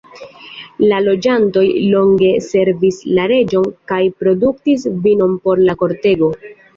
La loĝantoj longe servis la reĝon kaj produktis vinon por la kortego.